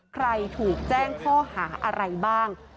ใครถูกแจ้งข้อหาอะไรบ้าง